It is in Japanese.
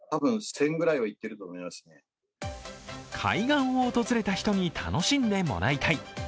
海岸を訪れた人に楽しんでもらいたい。